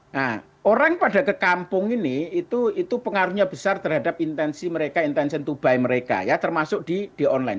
nah orang pada ke kampung ini itu pengaruhnya besar terhadap intensi mereka intention to buy mereka ya termasuk di online